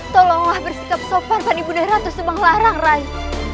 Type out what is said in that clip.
tolonglah bersikap sopan bani bunda ratu sebang larang raih